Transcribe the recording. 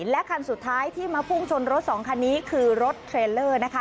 และคันสุดท้ายที่มาพุ่งชนรถสองคันนี้คือรถเทรลเลอร์นะคะ